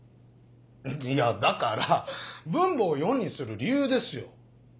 いやだから分母を４にする理由ですよ！